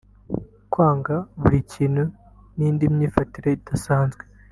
kwanga buri kintu n’indi myifatire idasanzwe